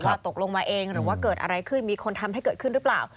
ตกลงมาเองหรือว่าเกิดอะไรขึ้นมีคนทำให้เกิดขึ้นหรือเปล่า